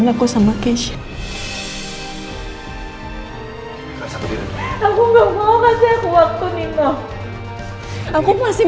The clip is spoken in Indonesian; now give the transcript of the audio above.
dalam badgersnova ini